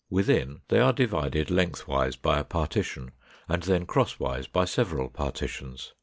Within they are divided lengthwise by a partition, and then crosswise by several partitions.